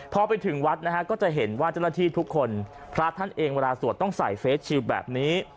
พอไปถึงวัดนะฮะก็จะเห็นว่าเจ้าหน้าที่ทุกคนพระท่านเองเวลาสวดต้องใส่เฟสชิลแบบนี้